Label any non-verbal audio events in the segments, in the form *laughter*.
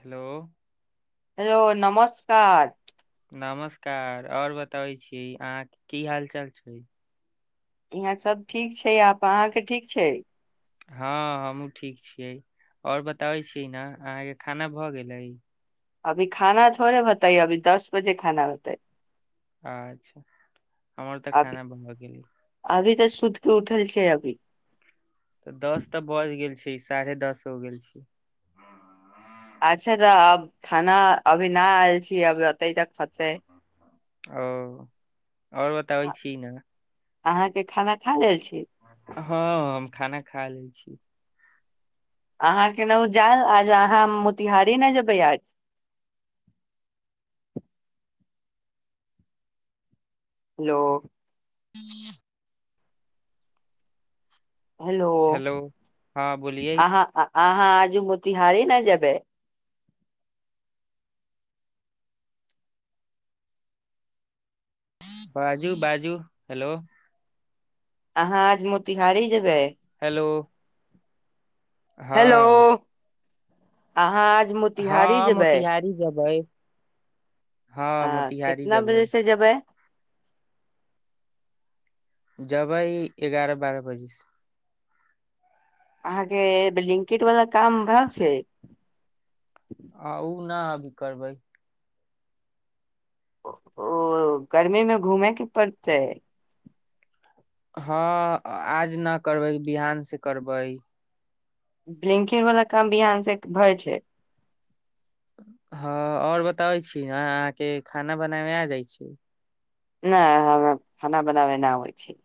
हेल हेलो नमस्का नमस्कार और बताबै छी अहाँके की हाल चाल छ यहाँ सब ठीक छै आप अहाँ के ठीक छ हँ हमहहुँ ठीक छियै आओर बताबै छीियै ने अहाँके खाना भऽ गेल अभी खाना थोड़े बताय अभी दस बजे खाना बता अच्छा हमर तऽ अभी खाना भा गेल गे अभी तऽ सुूद क उठल छै अभ तऽ दस तऽ बज गेल छै साढ़े दस हो गेल छ अच्छा तऽ अब खाना अभी न आयल छी अभ ओते तऽ खत ओ आओर बताबै छीियै न अहा सब खाना खा लेने छ हँ हम खाना खा लै छ अहाँ के नहु जायल आज अहाँ मोतिहारी नहि जेबै आ हेल ह हेलो हँ बोलिये अाँ अहाँ आजू मोतिहारहारी ने जब बाजू बाजू हेल अहाँ आज मोतिहारी जेब हेल हेलो अहाँ आज मोतिहारी जेब पारी जब आ कितना जेबै बजे से जेब जबै एगारह बारह बज अहाँ के लिंकेट वाला काम भाव छ आ ओ नहि अभी करब ओ गर्मी मे घूमैके पड़त हँ आज न करबै बिहान से करब बलिंकिन वाला काम भहान से भए छ हँ आओर बताबै छी ने अहाँके खाना बनाबमे आ जाइत छ नहि हम खाना बनाबै नहि होइ छ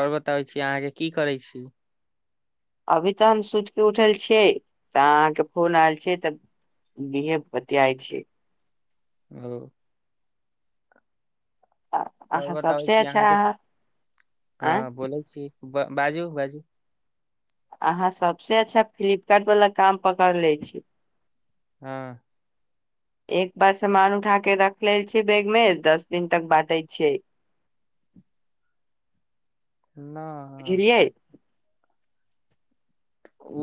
आओर बताबै छी अहाँके की करै छ अभी तऽ हम सुति के उठल छियै तऽ अहाँके फोन आयल छी त नहे बतिआइ छ अ आओर अहाँ बताबै सबसे छी अच्छा अहाँके हँ आय बोलै छी बाजू बाज अहाँ सबसे अच्छा फ्लिपकार्ट वला काम पकड़ ले छ ह एक बार सामान उठा के रख लेल छियै बैग मे दस दिन तक बादै छिय नह बुझलियै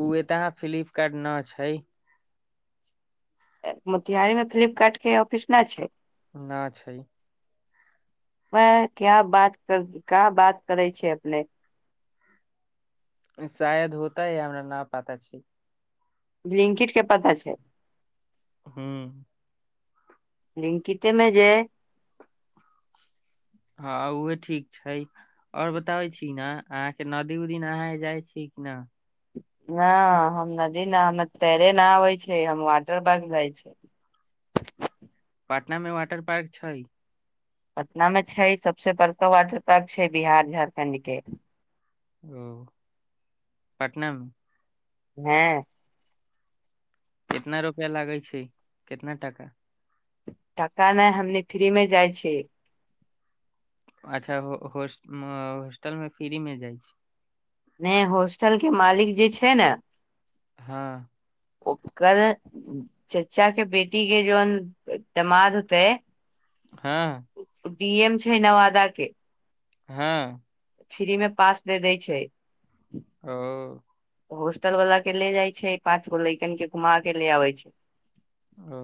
ओ एतह फ्लिपकार्ट न छ मोतिहारी मे फ्लिपकार्ट के ऑफिस न छ न छ वए क्या बात कर क बात करै छै अपन शायद होत ह हमरा न पाता छ लिंकिड के पता छ ह लिंकिते मे जे हँ उह ठीक छ आओर बताबै छी ने अहाँके नदी उदी नहा जाइ छी कि न हम नदी न हम तैरे न आबै छै हम वाटर बर्क जाइ छ पटना मे वाटर पार्क छ पटना मे छै सबसँ बड़का वाटर पार्क छै बिहार झारखण्ड क ओ पटनाम ह कितना रुपआ लागे छै कितना टाक टाका नहि हमनी फ्री मे जाइ छ अच्छा होॉस्टल में फ्री में जाइ छ नहि होॉस्टल के मालिक जे छै न ह ओकरा चचा के बेटी के जोनतमाद होत ह ी एम छै नवादा क ह फ्री मे पास दे दै छ अ होस्टल वालला के ले जाइ छै पाँच गो लैकन के घुमा के ले आबै छ अ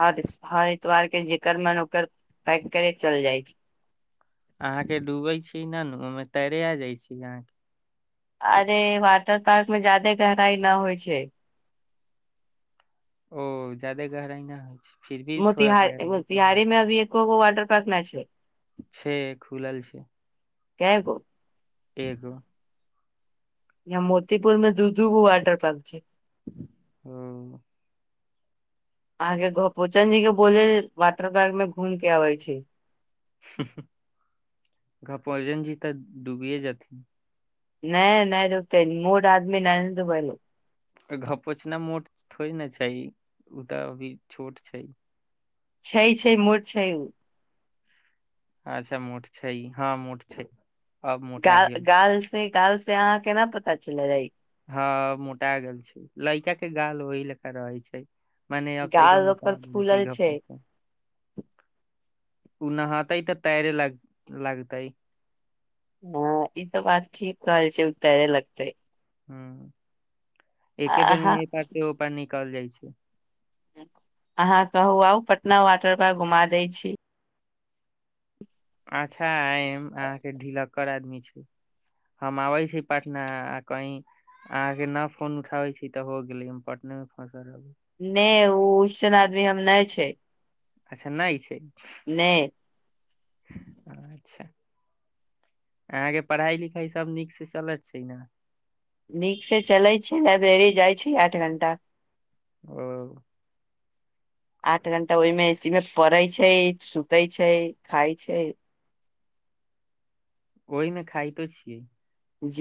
हर हर एतवार के जकर मन ओकर पैक करे चल जाय छ अहां के डूबे छी न ने ओहि मे तैरे आ जाय छी अहाँ क अरे वॉटर पार्क मे जायदे गहराई न होइ छै ओ जादे गहराइ नहि होइ छ मोतिहार मोतिहारी में अभी एकोगो वाटर पार्क नच छै खुलल छ क एक यहा मोतीपुर में दूधूू वाटर पार्क छ ह अहाँ के पोचन जी के बोले वाटर पार्क में घूम के आबे छ ग पौजन ज तऽ ूबिय जेथि नहि न दतै मूड आदमी न द बै घ पोछना मोट थोड़ ने छै उ तऽ अभी छोट छ छै छै मोट छ अच्छा मट छै ई हँ मर छ ग गाल से गाल से अहाँ केना पता चल जा हँ मोटा गेल छै लड़का के गाल ओह लेका रहे छ मने अब तक के गाल मुता ओकर फूलल छै उनाहाँ तइ तऽ तयरे लाग लागत हँ ई तऽ बातची कल छै उतराे लगत ह एके बेर अहाँ मे एक पास से उपाय निकल जाइ छ अहाँ कहू आउ पटना वाटर पर घुमा दै छ अच्छा आ अहाँके ढलक्ककर आदमी छ हम आबै छी पटना आ कह अहाँके न फोन उठाबे छी तऽ हो गेले हम पटने मे फस रह नहि ओ ओसन आदमी हम नहि छ अच्छा नहि छै अच्छ अहाँके पढ़ाई लिखाई सब नीक से चलत छै न नीक से चलै छै लाइब्रेरी जाइ छी आठ घंटा अ आठ घंटा ओहिमे सीमे पढ़य छै सुतै छै खाय छै ओहिमे खाइतो छिय ज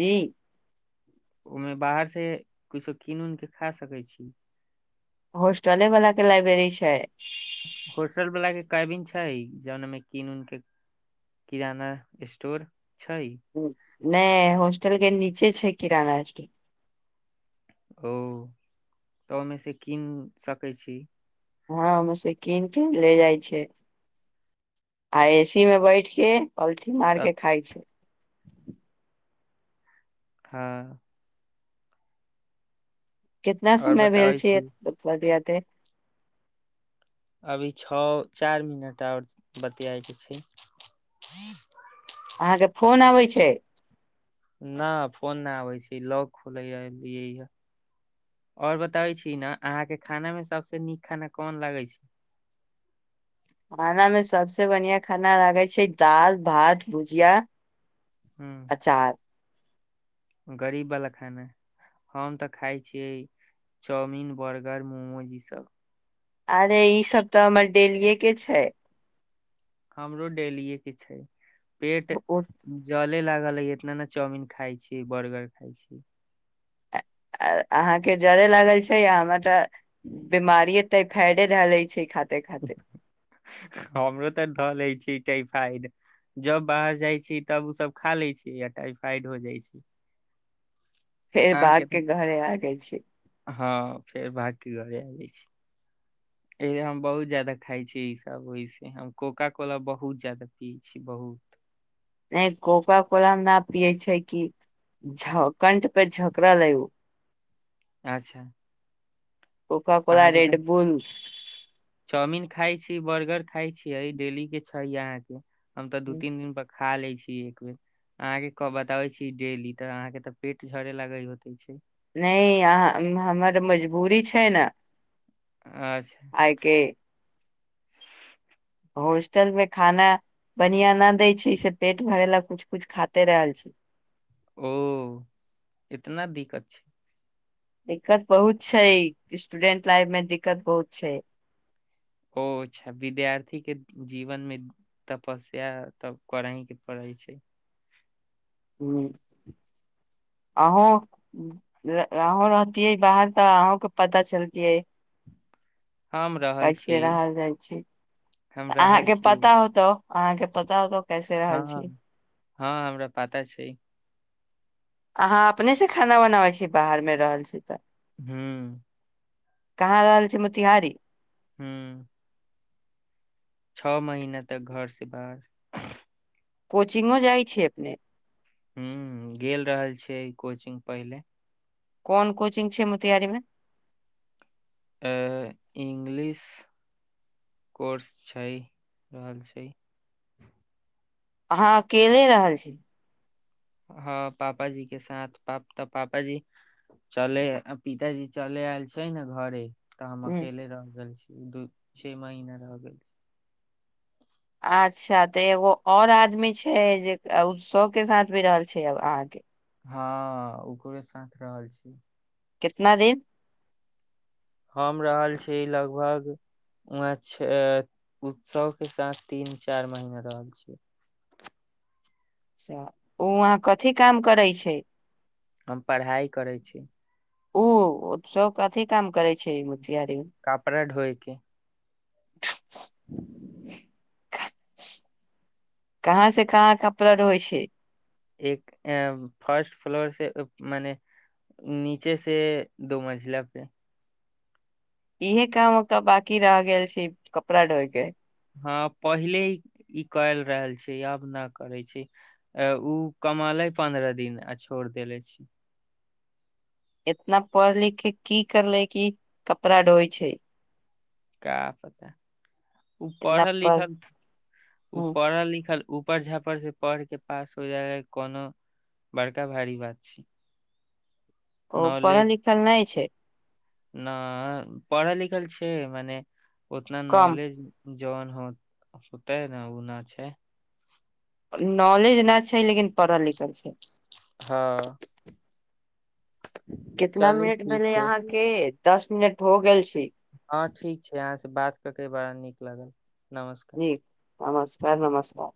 ओहिमे बाहर से किछो कीन उन के खा सकै छ होस्टले बला के लाइब्रेरी छ होसल बला के कबिन छै जेनामे कीनून क किराना स्टोर छ नहि होस्टल के नीचे छै किराना स्ट ओ तऽ ओहिमे से कीन सकै छ हं मुसी कीन तीन ले जाइ छै आ एसी मे बैठ क पलथि तब मारके खाय छ ह कितना और समय भेल बताबै छै छी भैया त अभी छओ चार मिनट आओर बतियाए के छ अहाँके फोन अबय छ न फोन नहि आबै छै लॉक खुलेा लिय य और बताबै छी ने अहाँ के खाना में सबसे नीक खाना कोन लागै छ खाना में सबस बढ़िया खाना लागय छै दाल भात भुजिय हू अचा गरीब बला खान हम तऽ खाय छियै चाउमिन बर्गर मोमोज सभ अरे इ सब तऽ हमर डेलिये के छ हमरो डेलियए के छै पेट जले लागल है इतना ने चाउमिन खाय छी बर्गर खाई छ अहाँ के जरे लागल छै आ हमर त बीमारीे तऽ फैरे ध ले छै खाति तै खाति हमरो तऽ दल छी फा जब बाहर जाई छी तब ओ सब खा ले छी य टाइफाइड हो जाई छ फेर भागके तऽ घरे आगे छ हँ फेर भातके घरे आ जाइ छ एहिे हम बहुत जदा खााय छी इ सब ओहिस हम कोोका कोला बहुत जादा पिय छी बहु नहि कोकाकोला न पियै छै क छौ कंठ पे झोकरा ल अच् coca cola red bull chowmein खाई छी बर्गर खाई छीयै डेली के छै अहाँ के हम तऽ दू तीन दिन प खा लै छी एक बे अहाँ के क बताबय छी डेली तऽ अहाँ के तऽ पेट सड़े लागल होत नहि याह हमर मजबूरी छै न अच्छ आइक होस्टल में खाना बढ़िया न देै छै से पेट भर ला कुछ कुछ खाते रहल छ ओ इतना दिक्कत छ दिक्कत बहुत छै स्टूडेंट लाइफ में दिक्कत बहुत छ ओच्छा विद्यार्थी के जीवनम तपस्या तब करहि के पड़य छ हूँ आंह अहँं रहतिियै बाहर तऽ अहँं के पता चलतिये हम रहल कैसे छियै रहल जाइ छी हम रहल अहाँके छियै पता होत आहाँ पत हँ हँ हमरा पता छ अहाँ अपनेसँ खाना बनाबै छीयै बाहर मे रहल छी त ह कहाँ रहल छै मोतिहार हू छओ महीना तक घर से बाह कोचिंगो जाइ छियै अपन हूँ गेल रहल छिय कोचिंग पहिल कोन कोचिंग छै मोतिहारी मे इंगलिश कोर्स छै रहल छ अहाँ अकेले रहल छ हँ पापा जी के साथ प तऽ पापा ज चले पिताजी चले आयल छै ने घर तऽ हम ह अकेले रहि गेल छी दू छे महीना रहि गेल छ अच्छा तऽ एगो और आदमी छै जे उत्सव के साथ भी रहल छै अहाँक हँ ओकरोे साथ रहल छ कितना दि हम रहल छी लगभ वहां छ उत्सव के साथ तीन चार महिना रह के छ ओ वहाँ कथी काम करै छ हम पढ़ाई करै छ ओ ओ सब कथी काम करै छै मतियार कपड़ा दोइके *inaudible* कहाँ से कहाँ कपड़ा रहै छियै एक एं फर्स्ट फ्लोर से मने नीचे से दो मंजिला पे इहे काम ओ तऽ बाकी रहि गेल छै कपड़ा ढोइ के हँ पहिले ई के रहल छै आब नै करै छै अ ओ कमाले पन्द्रह दिन आ छोड़ देेलै छी इतना पढ़ लिख के की करले की कपड़ा ढोइ छै का पता उ इतना पढ़ल पढ़ लिखल उ हूँ पढ़ल लिखल उपड़ झापड़ से पढ़ के पास हो जाय कोनो बड़का भारी बात छै ओ पढ़ल नॉलेज लिखल नहि छै न पढ़ल लिखल छै मने ओतना कम नौलेज जन हो होते ने उना छै नॉलेज नहि छै लेकिन पढ़ल लिखल छै हँ केतना चली मिनट ठीक भेलै छै अहाँके दस मिनट हो गेल छी हँ ठीक छै अहाँ सँ बात कऽ के बड़ा नीक लागल नमस्कार जी नमस्कार नमस्कार